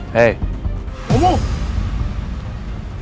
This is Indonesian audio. teror keluarga saya